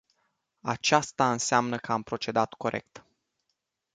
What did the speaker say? Aceasta înseamnă că am procedat corect.